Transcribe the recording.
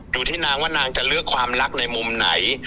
ดูที่นางว่านางจะเลือกความรักในมุมไหน